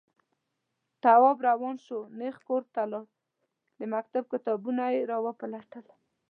تواب روان شو، نېغ کور ته لاړ، د مکتب کتابونه يې راوپلټل.